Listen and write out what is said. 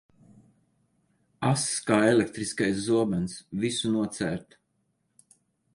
Ass kā elektriskais zobens, visu nocērt.